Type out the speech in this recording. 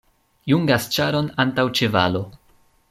Jungas ĉaron antaŭ ĉevalo.